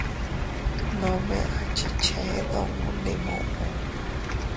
Nome a chichee duun ndi muʼu.